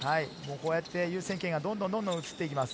こうやって優先権がどんどん、どんどん移っていきます。